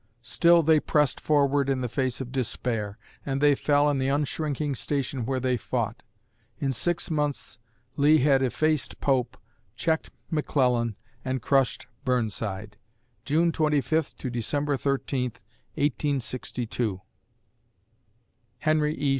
Still they pressed forward in the face of despair, and they fell in the unshrinking station where they fought. In six months Lee had effaced Pope, checked McClellan, and crushed Burnside June 25 to December 13, 1862. HENRY E.